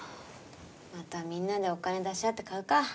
またみんなでお金出し合って買うか。